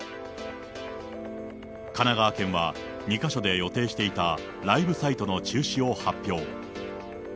神奈川県は２か所で予定していたライブサイトの中止を発表。